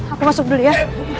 aku masuk dulu ya